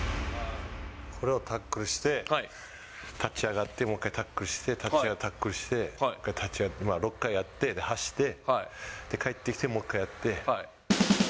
これをタックルして、立ち上がってもう１回タックルして、立ち上がってタックルして、立ち上がって、もう１回やって走って、帰ってきてもう１回やって。